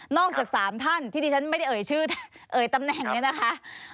จาก๓ท่านที่ที่ฉันไม่ได้เอ่ยชื่อเอ่ยตำแหน่งเนี่ยนะคะ